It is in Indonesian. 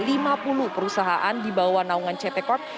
jadi secara total ada lima puluh perusahaan di bawah naungan ct corp